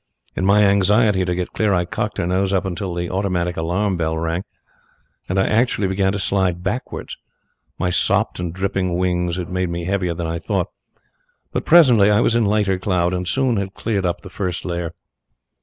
In my anxiety to get clear, I cocked her nose up until the automatic alarm bell rang, and I actually began to slide backwards. My sopped and dripping wings had made me heavier than I thought, but presently I was in lighter cloud, and soon had cleared the first layer.